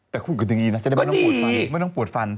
แต่คุยกันอย่างนี้นะจะได้ไม่ต้องปวดฟัน